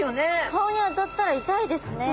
顔に当たったら痛いですね。